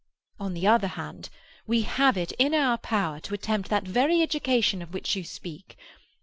On the other hand, we have it in our power to attempt that very education of which you speak.